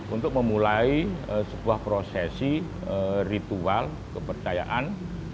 untuk memulai sebuah prosesi ritual kepercayaan